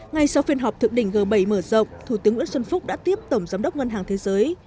ngay sau phiên họp thượng đỉnh g bảy mở rộng thủ tướng nguyễn xuân phúc đã tiếp tổng giám đốc ngân hàng thế giới